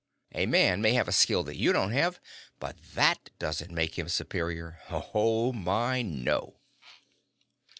A man may have a skill that you don't have, but that doesn't make him superior oh, my, no!